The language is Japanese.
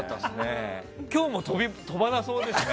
今日も飛ばなさそうですね。